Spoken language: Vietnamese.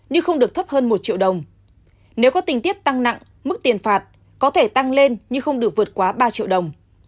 nhưng không được thấp hơn một triệu đồng nếu có tình tiết tăng nặng mức tiền phạt có thể tăng lên nhưng không được vượt quá ba triệu đồng